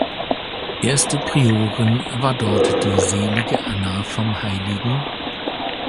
Erste Priorin war dort die Selige Anna vom hl.